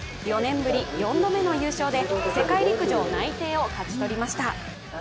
４年ぶり、４度目の優勝で世界陸上内定を勝ち取りました。